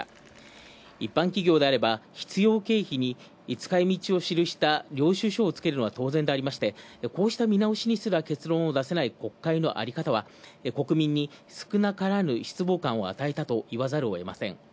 一般企業であれば必要経費に使い道を記した領収書をつけるのは当然であって、こうした見直しにすら結論を出せない国会のあり方は国民に少なからず失望感を与えたといわざるを得ません。